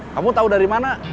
kamu tau dari mana